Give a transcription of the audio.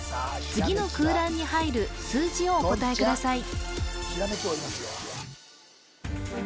次の空欄に入る数字をお答えください